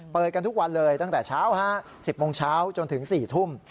กันทุกวันเลยตั้งแต่เช้า๑๐โมงเช้าจนถึง๔ทุ่ม